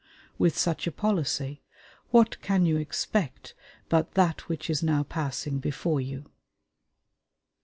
With such a policy, what can you expect but that which is now passing before you?